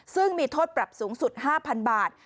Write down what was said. ซึ่งมีโทษปรับสูงสุด๕๐๐๐บาท